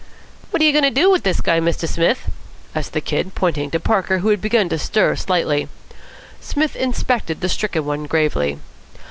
"What are you going to do with this guy, Mr. Smith?" asked the Kid, pointing to Parker, who had begun to stir slightly. Psmith inspected the stricken one gravely.